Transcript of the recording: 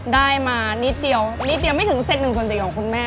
ได้มานิดเดียวนิดเดียวไม่ถึงเซตหนึ่งส่วนสี่ของคุณแม่